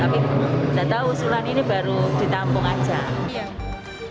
tapi data usulan ini baru ditampung saja